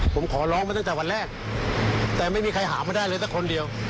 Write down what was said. ผมขอร้องมาตั้งแต่วันแรกแต่ไม่มีใครหาไม่ได้เลยสักคนเดียว